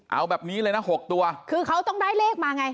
เอาแบบนี้เลยนะ๖ตัวคือเขาต้องได้เลขมาไง